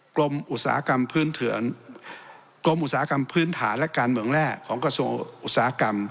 กรมอุตสาหกรรมพื้นถาและการเหมืองแร่ของกระทรวงอุตสาหกรรม